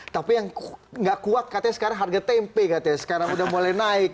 tapi yang gak kuat katanya sekarang harga tempe katanya sekarang udah mulai naik